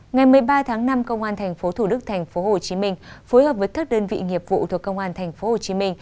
ngày một mươi ba tháng năm công an tp thủ đức tp hcm phối hợp với các đơn vị nghiệp vụ thuộc công an tp hcm